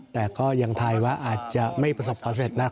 แต่ก็ยังทายว่าอาจจะไม่ประสบความเสร็จนัก